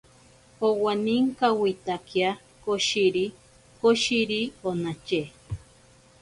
Owaninkawitakia koshiri koshiri onatye.